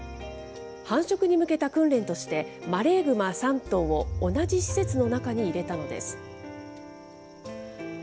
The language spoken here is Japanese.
繁殖に向けた訓練として、マレーグマ３頭を同じ施設の中に入れたのです。